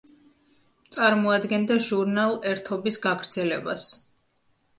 წარმოადგენდა ჟურნალ „ერთობის“ გაგრძელებას.